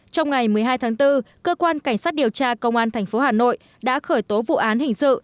trong ngày một mươi hai tháng bốn cơ quan cảnh sát điều tra công an thành phố hà nội đã khởi tố vụ án hình dự